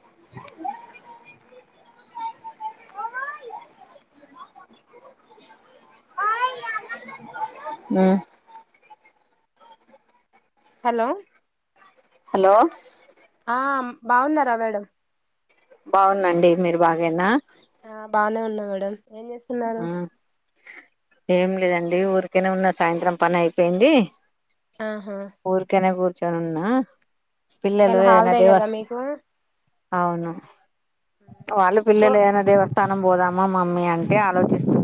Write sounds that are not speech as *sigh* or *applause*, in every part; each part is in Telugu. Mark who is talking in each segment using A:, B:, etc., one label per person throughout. A: *unintelligible* ఉ
B: హలో
A: హలో
B: ఆ బాగున్నారా మేడం
A: బాగునండి మీరు బాగేనా
B: ఆ బానే ఉన్నా మేడమ్ ఏం చేస్తున్నారు
A: ఏం లేదండి ఊరికనే ఉన్న సాయంత్రం పని అయిపోయింది
B: ఆహా
A: ఉరికనే కు కూర్చున్న పిల్లలు
B: ఇవాళ
A: ఏదైనా
B: హాలిడే కదా
A: దేవస్
B: మీకు
A: అవును వాళ్ళు
B: రో
A: పిల్లలు ఏదైనా దేవస్థ తనం పోదామా మామ్మ అంటి అ ఆలోచిస్తుంది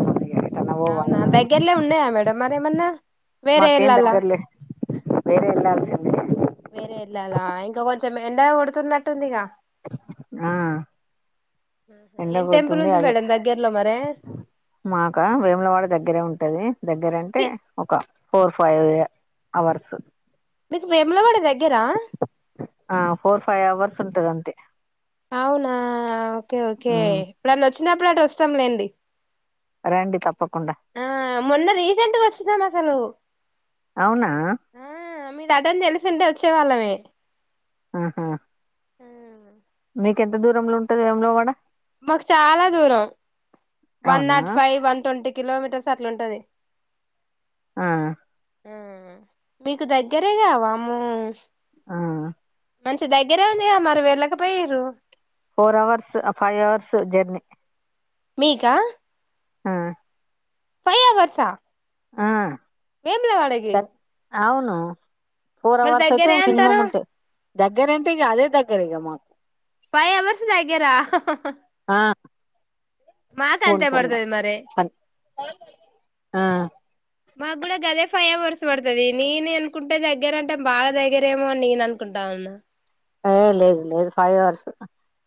B: అవునా దగ్గర్లే ఉన్నాయా మేడ అ మరిమన్నా
A: మాకేన్ దగ్గర్లే వేరే ఎలా చెంద
B: వేరే ఇల్లాాల ఇంకా కొంచెం ఎండ కొడుతున్నట్టుందిక
A: ఆ
B: ఆహా
A: ఎండ
B: ఏం టెంపుల్
A: కొడుతుంది
B: ఉంది
A: అదే
B: మేడం దగ్గరలో మరే
A: మాక వేములవాడ దగ్గరే ఉంటది దగ్గరంటే
B: మీ
A: ఒక ఫోర్ ఫైవ్ అవర్స్
B: మీకు విములవాడ దగ్గరా
A: ఉంటదంత
B: అవునా ఓకే ఓకే
A: మ్మ్
B: ఇప్పుడు వచ్చినప్పుడు అటు వస్తాంలేండి
A: రండి ప
B: ఆ మొన్న రీసెంట్గా వచ్చినాం అసలు
A: అవునా
B: ఆ మీది అద తెలుసు ఉంట వచ్చే వళ్ళమే
A: ఆహా
B: ఆ
A: మీకెంత దూరంలో ఉంటంది ఏ వాడ
B: మాకు చాలా దూరం వన్
A: అవునా
B: నాట్ ఫైవ్ వన్ట్వంటీ కిలోమీటర్స్ అట్లాంటది
A: ఆ
B: ఆ మీకు దగ్గరే కావాము
A: ఆ
B: మంచి దగ్గరే ఉంది మరువేళ్ళక పోయి ర
A: four hours five hours journey
B: మీకా
A: ఆ
B: ఫైవ్ అవర్సా
A: ఆ
B: వేమిల వాడకి
A: దగ్ అవును ఫోర్ అవర్స్ అయితే
B: అంటారు
A: మినిమమ్ ఉంటాయి దగ్గర అంటే ఇ అదే దగ్గర ఇగ మాకు
B: పై ఎమరిస్ జయిగ రా
A: ఆ
B: మాత
A: పోను
B: అంతే
A: పోను మా
B: బడుదది మరి
A: పని ఆ
B: మాకు కూడా గదే ఫైవ్ అవర్స్ పడుతుది నేను అనుకుంటే దగ్గర అంటే బాగా దగ్గరేమో అని నేను అనుకుంటా ఉను
A: ఏ లేదు లేదు ఫైవ్ అవర్స్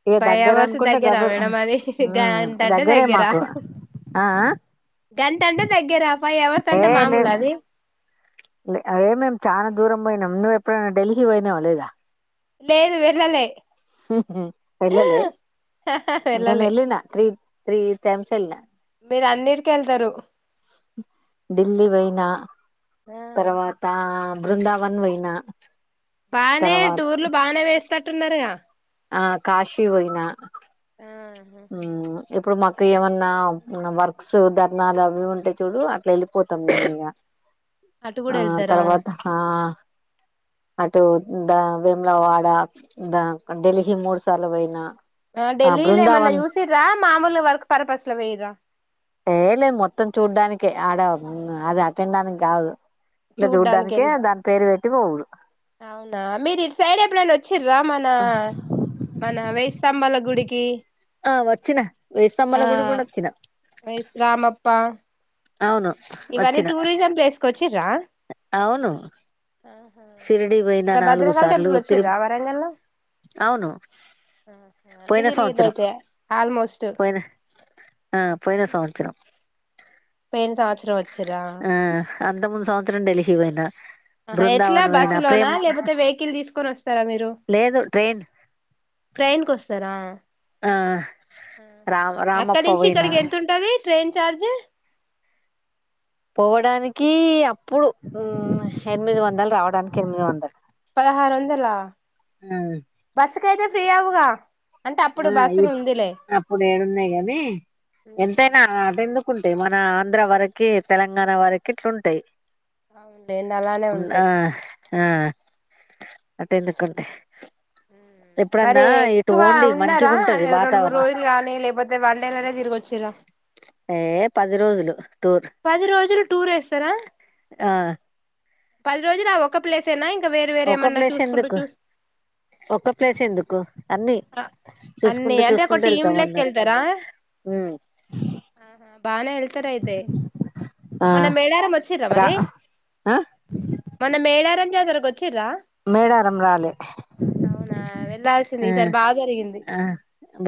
A: ఇక
B: ఫైవ్
A: దగ్గర
B: అవర్స్
A: అనుకుంటే
B: దగ్గరా
A: గబ
B: మేడ
A: ఉమ్
B: అది గంట అంటే
A: దగ్గరే
B: దగ్గరా
A: మాకు ఆ ఆ
B: గంట అంటే దగ్గరా ఫైవ్ అవర్స్ అంటే మామూలు అది
A: అ మేం చాలా దూరం పోయినాం నువ్్వ ఎప్పుడైనా ఢిల్లీ పోయినావ లేదా
B: లేదు వెళ్ళలే
A: వెళ్ళలే నేను
B: వెళ్ళలే
A: వెళ్ళిన త్రీ త్రీ టైమ్స్ వెళ్ళిన
B: మీరు అన్ని కిళ్తారు
A: ఢిల్లీ పోయిైన తర్వాత బృందావన్ వైనా
B: బాగానే టూర్లు బాగానే వేస్త తట్న్నార
A: ఆ కాశీ వయినా
B: ఆహా
A: ఇప్పుడు మాకు ఏమన్నా వర్క్స్ ధర్నాలు అవి ఉంటే చూడు అట్లా వెళ్ళి పోతాం నేను మీగ
B: అటు కూడా
A: ఆ
B: వెళ్తారా
A: తర్వాత అటు ద వేములా వాడ ద ఢిల్లీ మూడు సార్లు పోయినా
B: ఆ ఢల్లీల్ మొన్న యూసరా మాముూలు వర్ పర్పస్ లో వెయ
A: ఏ లేదు మొత్తం చూడ్డానినికి ఆడ అది అటెండడానికి కాదు ఇట్లా చూడ్డానికి దాని పేరు పెట్టి అటిరు
B: అవునా మీరు ఇటు సైడ్ ఎప్పుడైనా వచ్చి మన మన వే సంమ్మల గుడికి
A: ఆ వచ్చినా వేస్తంమల
B: ఆ
A: గుడి కూడా వచ్చినా
B: రామప్ప ఇవన్నీ టూరిజం ప్లేస్కి వచ్చి్రా
A: సిరిడి పోయిన నాలుగు సార్లు తిరి
B: వచ్చిర్రా వరంగల్ లో
A: అవును
B: అన్ని
A: పోయిన
B: తిరిగిండ్రు
A: సంవత్సరం
B: అయితే ఆల్మోస్ట్
A: పోయిన ఆ పోయిన సంవత్సరం
B: పను సా ఆచరం వచ్చరా
A: ఆ అంత ముూందు సంవత్సరం ఢిల్లీ పోయిన
B: హా ఎట్లా బస్సు లోనా లేకపోతే వెహికల్ తీసుకొని వస్తారా మీరు
A: లేదు ట్రైన్
B: ట్రైన్ కు వస్తారా
A: ఆ రామ్
B: అక్కడి
A: రామప్ప
B: నుంచి
A: పోయినా
B: ఇక్కడికి ఎంత ఉంటది ట్రైన్ చార్జ
A: పోవడానికి అప్పుడు ఎనిమిది వందలు రావడానికి ఎనిమిది వందలు
B: పదరువందలా
A: ఆ
B: బసు కతే ఫ్రీ ఆవుగా
A: ఆ ఇ అప్పుడు ఏడున్నాయి గని ఎంతైనా ఆట ఎందుకు ఉంటాయి మన ఆంధ్ర వరకి తెలంగాణ వరకి ఇట్లుంటాయి
B: అవులేండి అలానే
A: ఉన్-
B: ఉంటాయి
A: ఆ ఆ అట్టేందుకుంటే
B: మరి ఎక్కువ ఉన్నారా
A: మంచిగుంటది
B: రెండు మూడు
A: వాతావరణం
B: రోజులు గానీ లేకపోతే వన్డేలునే తిరిగిచ్చారా
A: ఏ పది రోజులు టూర్
B: పది రోజులు టూర్ వేస్తారా
A: ఆ
B: పది రోజులు ఒ ఒక ప్లేస్ ఏనాం
A: ఒక ప్లేస్ ఎందుకు ఒక ప్లేస్ ఎందుకు అన్ని
B: అన్ని
A: చూసుకుంటూ
B: అంటే ఒక
A: చూసుకుంటూ
B: టీమ్
A: వెళ్తాం
B: లెక్క
A: అన్నాడు
B: వెళ్తారా మన మేళారం వచ్చరమారి
A: ఆ
B: మన మే ఏళ్ళ రజారగ
A: మేడారం రాలే
B: అవునా వెళ్లాల్సింది
A: ఆ
B: ఈసారి బాగా జరిగింది
A: ఆ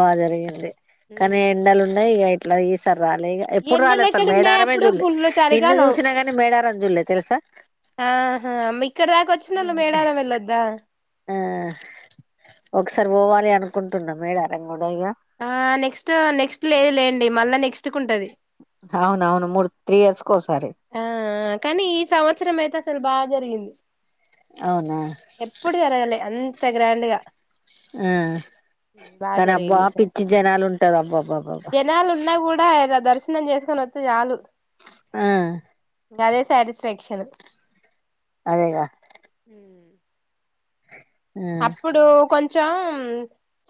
A: బాగా జరిగింది కానీ
B: ఉమ్.
A: ఎండాలు ఉన్నాయి ఇక ఇట్లా ఈసారి రాలే ఇక ఎప్పుడు
B: ఎండలు
A: రాలేదు అసలు
B: ఎక్కడ ఉన్నాయ
A: మేడారమే
B: అప్పుడు
A: చూడలే
B: ఫుల్లు
A: ఇన్ని
B: చలికాలం
A: చూసినా కానీ మేడారం చూడలే తెలుసా
B: ఆహా ఇక్కడ దాకా వచ్చినళ్ళు మేడారం వెళ్ళొద్దా
A: ఆ ఒకసారి పోవాలి అనుకుంటున్నా మేడ రంగ
B: ఆ నెక్స్ట్ నెక్స్ట్ లేదు లేండి ళ్ల్ నెక్స్ట్ కుంటది
A: అవును మూడు త్రీ ఇయర్స్ కోసారి
B: ఆ కానీ ఈ సంవత్సరం అయితే అసలు బాగా జరిగింది
A: అవునా
B: ఎప్పుడు తరాలలే అంత అంతే గ్రాండ్ గా
A: ఆ
B: బాగా
A: కానీ అబ్బ
B: జరిగింది
A: ఆ
B: ఈసారి
A: పిచ్చి జనాలు ఉంటారు అబ్బా అబ్బా అబ్బాబ్బా
B: ఇద దర్శనం చేసుకొని వస్తే చాలు
A: ఆ
B: గదే సాటిస్ఫాక్షన్
A: అదేగా
B: మ్మ్
A: ఆ
B: అప్పుడు కొంచ్ కొంచం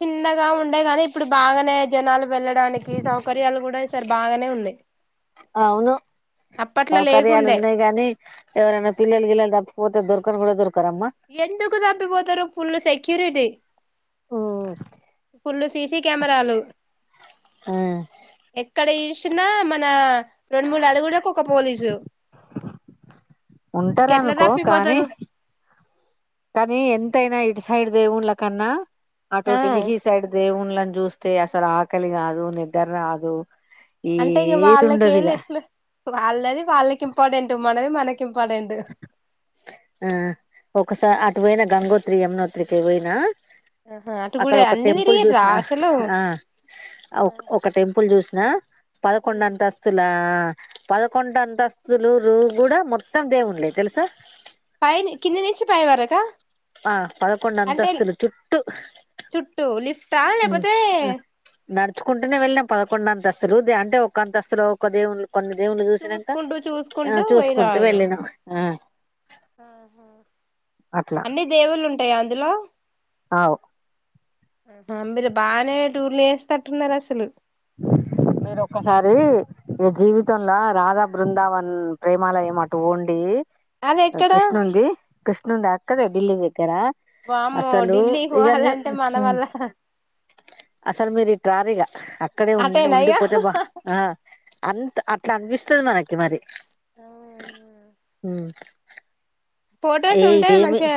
B: చిన్నగా ఉండేగాని ఇప్పుడు బాగానే జనాలు వెళ్ళడానికి సౌకర్యాలు కూడా ఈ సారి బాగానే ఉన్నాయి
A: అవును
B: అప్పట్ల
A: సౌకర్యాలు
B: లేకుండే
A: ఉన్నాయి గాని కను కూడా దొర్క్
B: ఎందుకు తప్పిపోతారు పుల్లు సెక్ క్యూరిటీ
A: ఓ
B: ఫుల్లు సిసి కెమెరాలు
A: ఆ
B: ఎక్కడ జుష్ షినా మన రెండు మూడు అడుగులకి ఒక పోలీసు ఇంకెట్లా
A: ఉంటారనుకో కానీ
B: తప్పిపోతారు
A: కానీ ఎంతయినా ఇట్ ఇస్ సైడ్ దవున్లకన్నా అటు
B: ఆ
A: డెల్లీహి సైడ్ దేవున్ వాలను చూస్తే అసలు ఆకలి కాదు నిద్ర రాదు
B: అంటే ఇక వాళ్ళకి ఏళ
A: ఏదుండదిగా
B: ఎట్లా వాళ్ళది వాళ్ళకి ఇంపార్టెంటు మనది మనకి ఇంపార్టెంట్
A: ఆ ఒకస అ నేను గంగోత్ర యమ్నోత్రికి పోయినా
B: ఆహా అటు
A: అక్కడ
B: కూడా
A: ఒక
B: అన్ని
A: టెంపుల్
B: తిరిగిర్రా
A: జుసినా
B: అసలు
A: ఆ ఒక టెంపుల్ జుసి ఆ పదకొండంతంతస్తులా పదకొండు అంతస్తులు రు కూడా మొ మోత్తం దేవున్లే తెలుసా
B: పైని కింది నుంచి పైవరకా
A: ఆ పదకొండ అంతస్తులు చుట్టూ
B: రా లేకపోతే
A: చుకుంటునే వెళ్ళాం పదకొండ్ అంతస్తులు దే అంటే ఒక అంతస్తులో ఒక దేవున్లు కొన్ని దేవున్లు చూసినంక
B: చూసుకుంటూ
A: ఆ
B: చూసుకుంటూ
A: చూసుకుంటు
B: పోయినాము
A: వెళ్ళినం ఆ
B: ఆహా
A: అట్లా
B: అన్ని దేవుల్లు ఉంటాయా అందులో
A: అవు
B: ఆ అంబర బాగానే టూర్లు చేసి తట్టున్నారు అసలు
A: మీరు ఒక్కసారి మీ జీవితంలో రాధా బృందావన్ ప్రేమలు ఏమటు ఉండి
B: అది ఎక్కడ
A: కృష్ణంది కృష్ణంద అక్కడ ఢల్ దగ్గరా
B: వామ్మో
A: అసలు
B: ఢిల్లీకి
A: ఇవన్నీ
B: పోవాలంటే మన వల్ల
A: అసలు మీరు ఈ టారీగా ఉ
B: అటేనా ఇగ
A: ఉండిపోతే బా అన్న అట్లా అనిపిస్తుంది మనకి మరి
B: ఆ
A: అఓ
B: ఫొటోస్ ఉంటాయి మంచిగా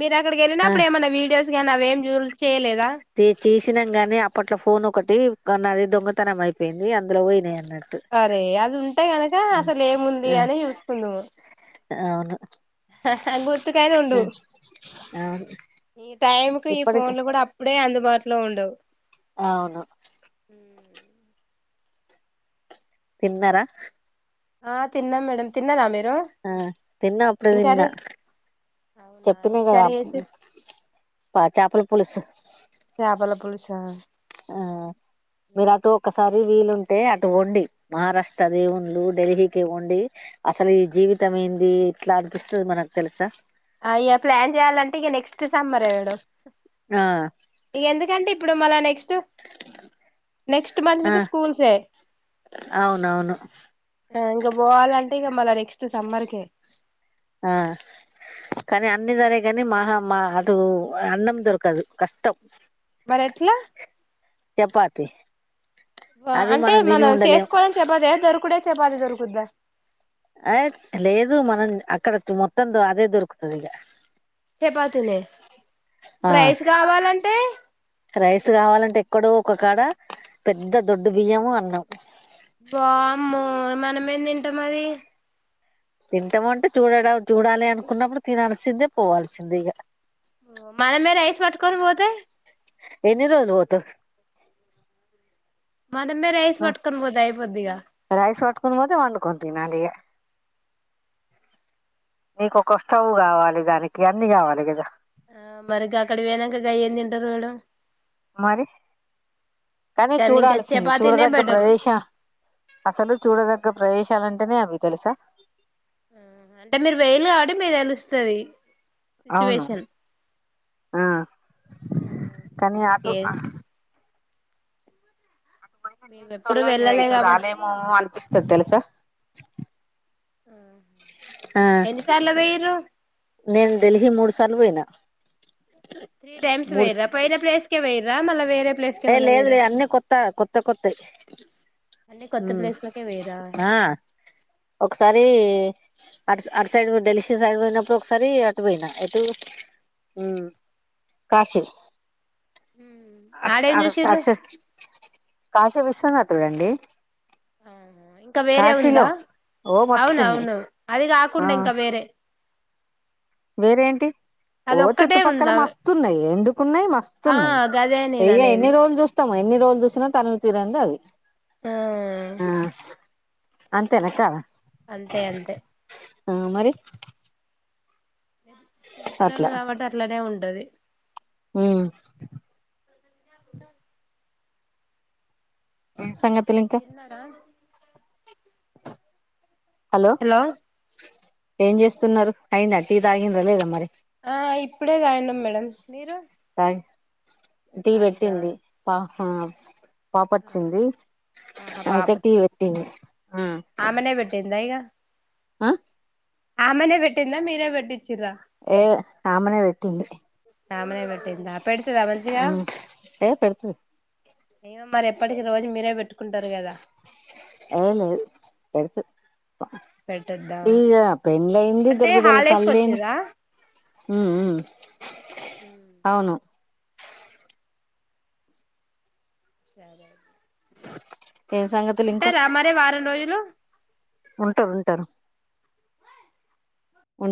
B: మీరు అక్కడ
A: ఆ
B: వెళ్ళినప్పుడు ఏమైన్నా వడియోస్ వేం జలు చేయలేదు
A: తె చ చిిన గాని అప్పట్లో ఫోన్ ఒకటి అన్నది దొంగతనం అయిపోయింది అందులో పోయినా
B: అరే అది ఉంటే కనుక అసలే ఏముంది అని చూసుకుందాము
A: అవును
B: గుర్తుకనే ఉంండవు
A: అవును
B: ఈ టైంకి ఈ
A: ఇప్పటికి
B: ఫోన్ లో కూడా అప్పుడే అందుబాటులో లో ఉండవు
A: అవును తిన్నారా
B: ఆ తిన్నాం మేడ తిన్ననుమెే
A: ఆ తిన్నా అప్పుడే తిన్నా
B: అవునా ఏం
A: చెప్పినాయి కదా
B: కర్రీ చేసిర్రు
A: చేపల పులుసు *inaudible*
B: చపాల పోలిస
A: ఆ మరాతో కసా అవి వీలుంటే అటు వండి మహారాష్ట్ర దేవుళ్లు ఢిల్హీకి వండి అసలు ఈ జీవితంైంది ఇట్లా అనిపిస్తుంది మనకు తెలుసా
B: అయ్యా ప్లాన్ చేయాలంటే ఇక నెక్స్ట్ సమ్మరే మేడం
A: ఆ
B: ఇక ఎందుకంటే ఇప్పుడు మళ నెక్స్ట్ అ నెక్స్ట్ మంత్
A: ఆ
B: నుంచి స్కూల్సే
A: అవునవును
B: ఇంకా పోవాలంటే మ నెక్స్ట్ సమర్క
A: ఆ కానీ అన్నిీ జరగేగాని మహా ఆ అది అన్నం దొరకదు కష్టం
B: భారత్లా
A: చపాతి
B: వా
A: అది
B: అంటే
A: తిని
B: మనం
A: ఉండలేం
B: చేసుకోవడం చెపాతిన దొరుకుడే చెప్ మాది దొరుకుద్దా
A: అయి లేదు మనం అక్కడ మొత్తం అదే దొరుకుతది ఇగ
B: చేపాతినే
A: ఆ
B: ప్రైస్ కావాలంటే
A: రైస్ కావాలంటే ఎక్కడో ఒక కాడ పెద్ద దొడ్డు బియ్యము అన్నం
B: వామ్మో మనమేం తింటం అది
A: తింటామంటే చూడడం చూడాలి అనుకున్నప్పుడు తినల్సిందే పోవాల్సిందే ఇగ
B: మనమే రైస్ పట్టుకొని పోతే
A: ఏన్ని రోజులు పోతవ్
B: మనమే రైస్ పట్టుకొని పోతే అయిపోద్దిగా
A: కొని పోతే వండుకొనితినాలిగా నీకొక వస్తువు కావాలి దానికి అన్ని కావాలి కదా
B: ఆ మరి గక్కడ పోయనాంక గయ్యేందు తింటారు మేడం
A: మరి కానీ
B: దాన్ని ఇంకా
A: చూడాల్సింది
B: చపాతీనే
A: చూడదగ్గ
B: బెటరు
A: ప్రదేశ అసలు చూడదగ్గ ప్రదేశ లంటేనే అవి తెలుసా
B: ఆ అంటే మీరు వోయిళ్ళు కాబట్టి మీక్ తెలుస్తది
A: అవును
B: సిచువేషన్
A: ఆ కానీ అటు
B: మనకేం
A: అ అటుపొయిన
B: మేము ఎప్పుడు
A: జీవితంలో ఇగ
B: వెళ్ళలే
A: ఇటు
B: కాబట్టి
A: రాలేమో అనిపిస్తది తెలుసా
B: ఆ
A: ఆ
B: ఎన్నిసార్ల పోయిర్రు
A: నేను ఢిల్లీ మూడు సార్లు పోయినా
B: త్రీ టైమ్స్
A: మూడు
B: వోయిర్రా పోయిన ప్లేస్ కె పోయిర్రా మళ వేరే ప్లేస్కి
A: ఏ
B: ఏమన్నా
A: లేదు
B: పోయిర్రా
A: లేదు అన్నీ కొత్త కొత్త కొత్త
B: అన్ని కొత్త
A: ఉమ్
B: ప్లేస్లకే పోయిర్రా
A: ఆ ఒకసారి అట్ అటు సైడ్ డెల్సి సైడ్ పోయినప్పుడు ఒకసారి అటు పోయినా ఎటు ఉమ్ కాశీ
B: మ్మ్
A: అ అడ అష కాశీ విశ్వనాథ చూడండి
B: ఆ ఇంకా వేరే ఉందా
A: ఓ మస్తున్నాయి
B: అవునవును అది
A: ఆ
B: కాకుండా ఇంకా వేరే
A: వేరేంటి ఓ
B: అదొక్కటే
A: చుట్టుపక్కల
B: ఉందా
A: మస్తున్నాయి ఎందుకున్నాయి
B: ఆ
A: మస్తున్నాయి
B: గదే నేను
A: ఇక
B: అనేది
A: ఎన్ని రోజులు చూస్తాం ఎన్ని రోజు చూసినా తనివి తీరంది అది
B: ఆ
A: అంతేనక్క
B: అంతే అంతే
A: ఆ మరి
B: సూచనలు కాబట్టి అట్లనే ఉం *inaudible*
A: హు ఏం సంగతి,
B: తిన్నడ
A: హలో ఏం చేస్తున్నారు అయింద అటి తాగిరా లేదా మరి,
B: ఆ ఇప్పుడే తాగినం మేడం మీరు,
A: చాయి టీ
B: తాగిర్రా
A: పెట్టింది పా అహ పాప వచ్చింది
B: ఆహా పాప
A: అయితే టీ
B: వచ్చి
A: పెట్టింది హు
B: ఆమెనే
A: ఆ
B: ఆ మనే పెటిదా మీరే పెటిరా,
A: ఏ అమేనే పెట్టింది,
B: ఆమెనే పెట్టిందా పెడితేదా మంచిగా
A: ఆ ఏ పెడుతది
B: ఏమో మరి, ఎప్పటికి రోజు మీరే పెట్టుకుంటారు కదా,
A: ఏ లేదు పెడుతది,
B: పెట్టొద్దా
A: ఈగ పెళ్లయింది
B: అంటే
A: ఇద్దరు బిడ్డల
B: హాలిడేస్ కి
A: తల్లయింది,
B: వచ్చిర్రా
A: ఉ ఊ
B: హ సరే
A: ఏం సంగతులు ఇంకా
B: ఉంటారా మరే వారం రోజులు,
A: ఉంటారు ఉంటారు, ఉం